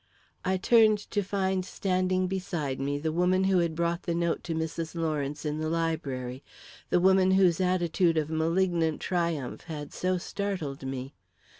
I turned, to find standing beside me the woman who had brought the note to Mrs. Lawrence in the library the woman whose attitude of malignant triumph had so startled me.